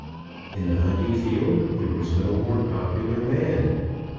In the hunting field there was no more popular man.